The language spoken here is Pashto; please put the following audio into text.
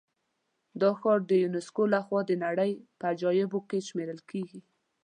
دا ښار د یونسکو له خوا د نړۍ په عجایبو کې شمېرل کېږي.